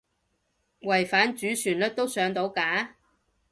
違反主旋律都上到架？